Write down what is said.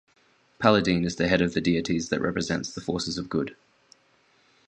Paladine is the head of the deities that represent the forces of Good.